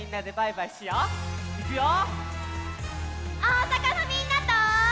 おおさかのみんなと。